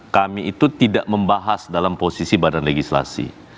kami itu tidak membahas dalam posisi badan legislasi